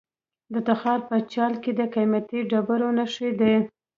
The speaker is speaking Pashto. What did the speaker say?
د تخار په چال کې د قیمتي ډبرو نښې دي.